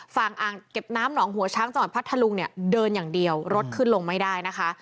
อ่างเก็บน้ำหนองหัวช้างจังหวัดพัทธลุงเนี่ยเดินอย่างเดียวรถขึ้นลงไม่ได้นะคะ